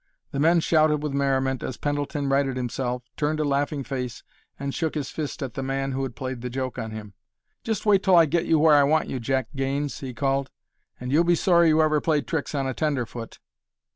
The men shouted with merriment as Pendleton righted himself, turned a laughing face and shook his fist at the man who had played the joke on him. "Just wait till I get you where I want you, Jack Gaines," he called, "and you'll be sorry you ever played tricks on a tenderfoot."